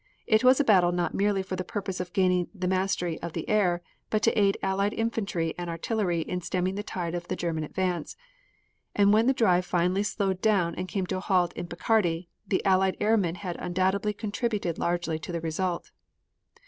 It was a battle not merely for the purpose of gaining the mastery of the air, but to aid Allied infantry and artillery in stemming the tide of the German advance, and when the drive finally slowed down and came to a halt in Picardy, the Allied airmen had undoubtedly contributed largely to the result.